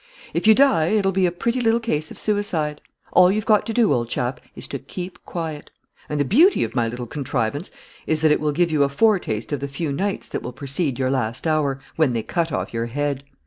"If you die, it'll be a pretty little case of suicide. All you've got to do, old chap, is to keep quiet. And the beauty of my little contrivance is that it will give you a foretaste of the few nights that will precede your last hour, when they cut off your head.